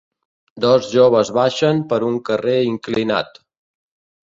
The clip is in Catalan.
Dos joves baixen per un carrer inclinat.